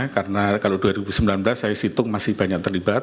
karena kalau dua ribu sembilan belas saya hitung masih banyak terlibat